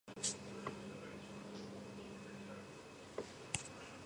ოსმალებმა განაგრძეს წარმატებული ლაშქრობა და ჰამადანი დაიკავეს.